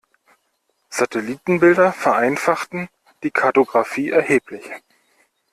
Satellitenbilder vereinfachten die Kartographie erheblich.